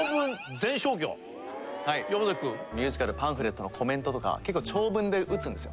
ミュージカルパンフレットのコメントとか結構長文で打つんですよ。